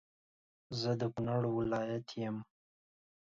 زه د کونړ ولایت یم